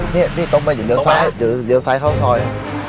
นี่นี่ต้มมันอยู่เหลือซ้ายอยู่เหลือซ้ายข้าวซอย